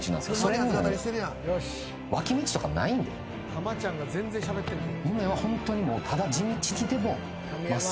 濱ちゃんが全然しゃべってない。